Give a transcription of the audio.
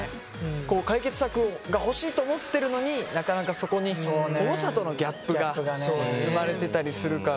解決策が欲しいと思ってるのになかなかそこに保護者とのギャップが生まれてたりするから。